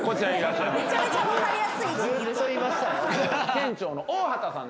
ずっといましたよ。